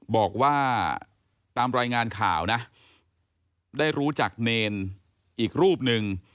บอกว่าตามรายงานข่าวนะได้รู้จักเนรอีกรูปหนึ่ง